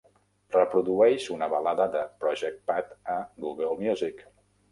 Reprodueix una balada de Project Pat a Google Music.